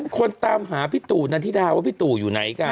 คนตามหาพี่ตู่นันทิดาว่าพี่ตู่อยู่ไหนกัน